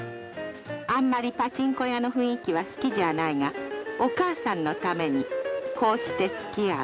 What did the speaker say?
あんまりパチンコ屋の雰囲気は好きじゃないがお母さんのためにこうして付き合う。